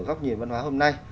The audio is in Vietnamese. góc nhìn văn hóa hôm nay